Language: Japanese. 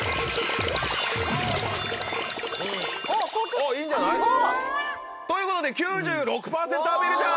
おっいいんじゃない？ということで９６％アピールちゃん！